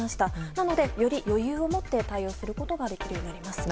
なので、より余裕を持って対応することができるようになります。